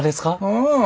うん。